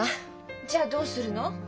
じゃあどうするの？